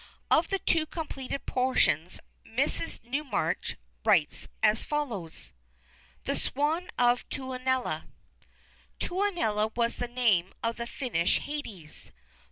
Of the two completed portions Mrs. Newmarch writes as follows: "THE SWAN OF TUONELA "Tuonela was the name of the Finnish Hades.